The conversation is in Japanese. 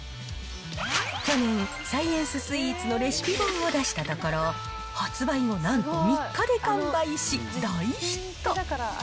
去年、サイエンススイーツのレシピ本を出したところ、発売後、なんと３日で完売し、大ヒット。